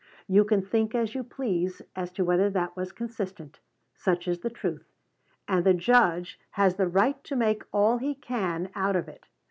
You can think as you please as to whether that was consistent. Such is the truth; and the Judge has the right to make all he can out of it.